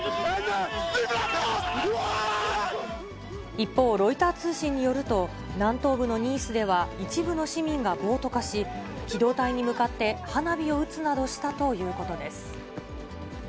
一方、ロイター通信によると、南東部のニースでは、一部の市民が暴徒化し、機動隊に向かって花火を打つなどしたということです。